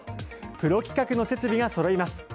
プロ規格の設備がそろいます。